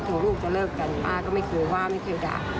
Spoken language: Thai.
ลูกจะเลิกกันป้าก็ไม่เคยว่าไม่เคยด่า